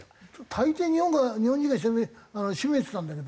大抵日本が日本人が占めてたんだけどね腕は。